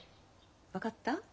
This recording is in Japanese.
分かった？